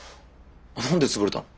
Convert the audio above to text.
何で潰れたの？